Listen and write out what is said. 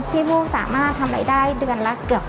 ถ้าใครสนใจยินดีเลาะกศวรเทคนิก